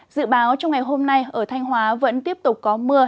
dự báo trong ngày hôm nay ở thanh hóa vẫn tiếp tục có mưa